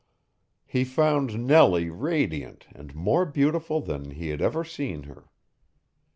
He found Nellie radiant and more beautiful than he had ever seen her.